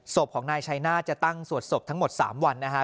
ศพของนายชัยหน้าจะตั้งสวดศพทั้งหมด๓วันนะฮะ